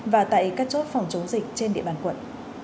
và tại các chốt phòng chống dịch trên địa bàn quận